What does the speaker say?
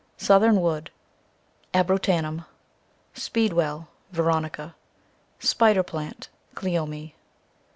, Southern Wood, cc Abrotanum. Speedwell, cc Veronica. Spider Plant, cc Cleome.